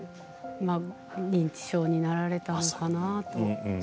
認知症になられたのかなと。